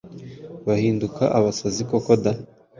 bahinduka abasazi koko da